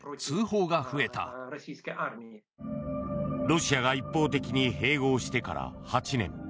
ロシアが一方的に併合してから８年。